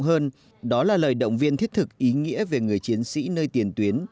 hơn đó là lời động viên thiết thực ý nghĩa về người chiến sĩ nơi tiền tuyến